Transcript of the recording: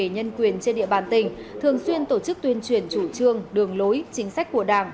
nhân quyền trên địa bàn tỉnh thường xuyên tổ chức tuyên truyền chủ trương đường lối chính sách của đảng